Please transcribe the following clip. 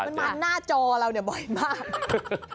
มันมาหน้าจอเราเนี่ยบ่อยมาก